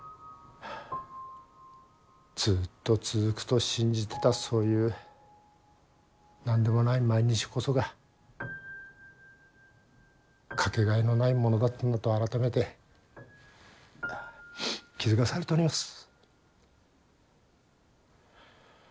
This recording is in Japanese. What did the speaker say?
ずっと続くと信じてたそういう何でもない毎日こそが掛けがえのないものだったんだと改めて気付かされております。